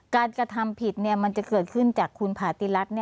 กระทำผิดมันจะเกิดขึ้นจากคุณผาติรัฐ